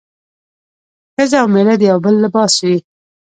ښځه او مېړه د يو بل لباس وي